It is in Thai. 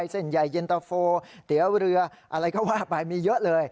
เส้นใหญ่เย็นตะโฟเตี๋ยวเรืออะไรก็ว่าไปมีเยอะเลย